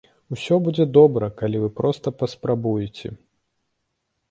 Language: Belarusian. Усё будзе добра, калі вы проста паспрабуеце.